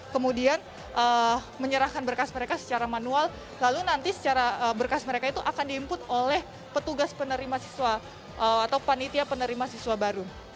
kemudian menyerahkan berkas mereka secara manual lalu nanti secara berkas mereka itu akan di input oleh petugas penerima siswa atau panitia penerima siswa baru